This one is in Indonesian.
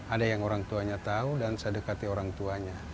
ada yang orang tuanya tahu dan saya dekati orang tuanya